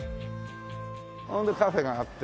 ほんでカフェがあって。